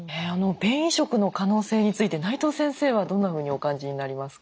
便移植の可能性について内藤先生はどんなふうにお感じになりますか？